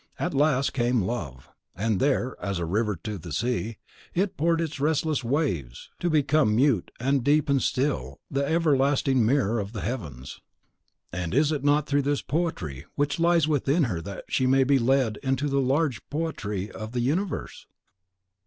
At last came love; and there, as a river into the sea, it poured its restless waves, to become mute and deep and still, the everlasting mirror of the heavens. And is it not through this poetry which lies within her that she may be led into the large poetry of the universe!